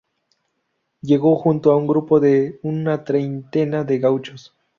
Llegó junto a un grupo de una treintena de gauchos.